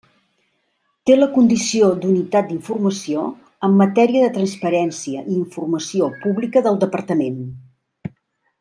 Té la condició d'unitat d'informació en matèria de transparència i informació pública del Departament.